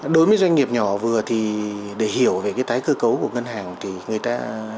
đối với doanh nghiệp nhỏ vừa thì để hiểu về cái tái cơ cấu của ngân hàng thì người ta